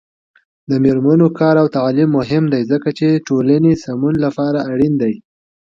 د میرمنو کار او تعلیم مهم دی ځکه چې ټولنې سمون لپاره اړین دی.